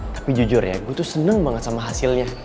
tapi jujur ya gue tuh seneng banget sama hasilnya